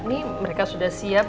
nih mereka sudah siap